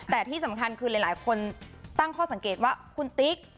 แต่ที่สำคัญคือหลายคนตั้งข้อสังเกตว่าคุณติ๊ก